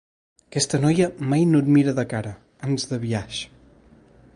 Aquesta noia mai no et mira de cara, ans de biaix.